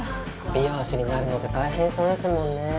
美容師になるのって大変そうですもんね。